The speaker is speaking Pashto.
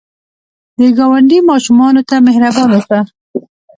د ګاونډي ماشومانو ته مهربان اوسه